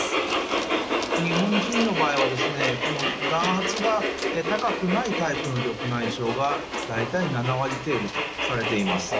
日本人の場合はこの眼圧が高くないタイプの緑内障が大体７割程度とされています。